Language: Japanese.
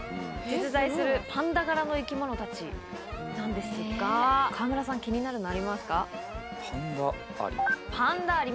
実在するパンダ柄の生き物たちなんですが、川村さん、気になるのパンダアリ。